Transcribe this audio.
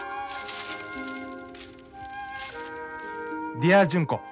「ディアジュンコ。